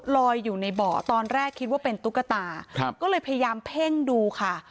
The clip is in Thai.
ลอยอยู่ในบ่อตอนแรกคิดว่าเป็นตุ๊กตาก็เลยพยายามเพ่งดูค่ะ